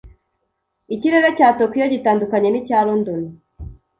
Ikirere cya Tokiyo gitandukanye n'icya London.